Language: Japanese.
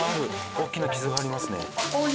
大きな傷がありますね。